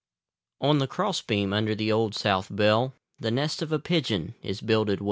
On the cross beam under the Old South bell The nest of a pigeon is builded well.